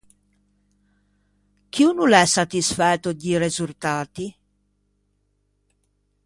Chi o no l’é satisfæto di resurtati?